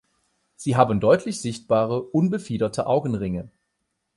Sie haben deutlich sichtbare, unbefiederte Augenringe.